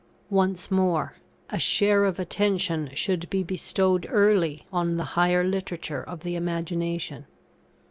Once more. A share of attention should be bestowed early on the higher Literature of the Imagination.